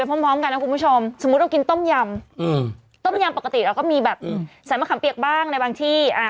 ต้มยำอืมต้มยำปกติเราก็มีแบบอืมใส่มะขำเปียกบ้างในบางที่อ่า